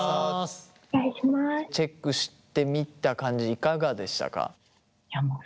チェックしてみた感じいかがでしたか？